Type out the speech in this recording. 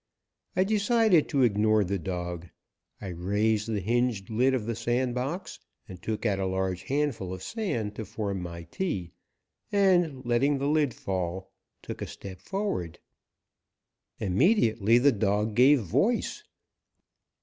I decided to ignore the dog. I raised the hinged lid of the sandbox and took out a large handful of sand to form my tee, and letting the lid fall took a step forward. Immediately the dog gave voice!